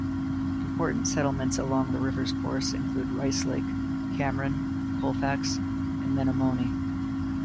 Important settlements along the river's course include Rice Lake, Cameron, Colfax and Menomonie.